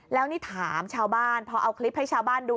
แล้วนี่ถามชาวบ้านพอเอาคลิปให้ชาวบ้านดู